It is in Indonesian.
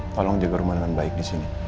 tolong jaga rumah dengan baik disini